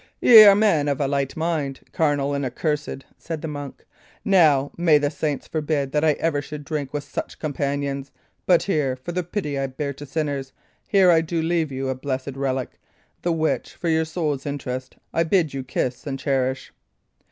"Y' are men of a light mind, carnal, and accursed," said the monk. "Now, may the saints forbid that ever I should drink with such companions! But here, for the pity I bear to sinners, here I do leave you a blessed relic, the which, for your soul's interest, I bid you kiss and cherish."